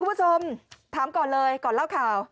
คุณผู้ชมถามก่อนเลยก่อนเล่าข่าว